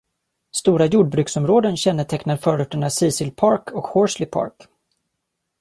Stora jordbruksområden kännetecknar förorterna Cecil Park och Horsley Park.